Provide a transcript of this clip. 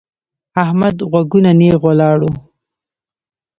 احمد غوږونه نېغ ولاړ وو.